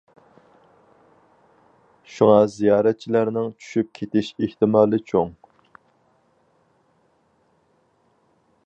شۇڭا زىيارەتچىلەرنىڭ چۈشۈپ كېتىش ئېھتىمالى چوڭ.